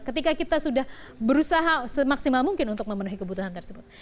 ketika kita sudah berusaha semaksimal mungkin untuk memenuhi kebutuhan tersebut